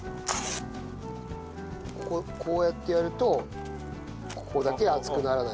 こここうやってやるとここだけ熱くならない。